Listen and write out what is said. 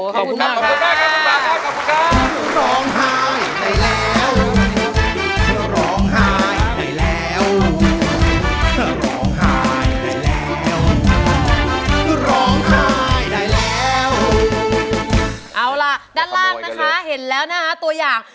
คุณน้ำทิกคิดว่าเพลงอะไรครับ